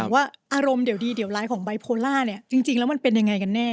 ว่าอารมณ์เดี๋ยวดีเดี๋ยวร้ายของไบโพล่าเนี่ยจริงแล้วมันเป็นยังไงกันแน่